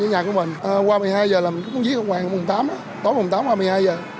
nhà nhà của mình qua một mươi hai h là mình cúng vía ngọc hoàng vào mùng tám tối mùng tám qua một mươi hai h